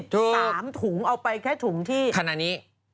ตั้ง๑๓ถุงเอาไปแค่ถุงที่ถ้านานี้